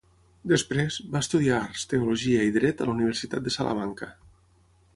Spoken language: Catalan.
Després, va estudiar arts, teologia i dret a la Universitat de Salamanca.